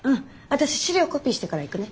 私資料コピーしてから行くね。